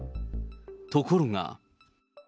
ところが。